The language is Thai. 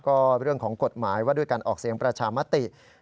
ก็เรื่องของกฎหมายว่าด้วยการออกเสียงประชามติ